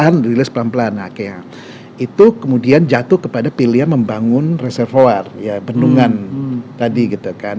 nah itu kemudian jatuh kepada pilihan membangun reservoir ya bendungan tadi gitu kan